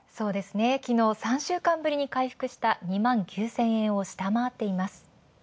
きのう、３週間ぶりに回復した２万９０００円を下回っています。